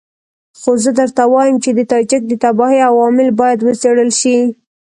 خو زه درته وایم چې د تاجک د تباهۍ عوامل باید وڅېړل شي.